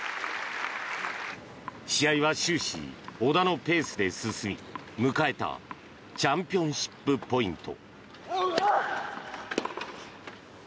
試合は終始、小田のペースで進み迎えたチャンピオンシップポイント。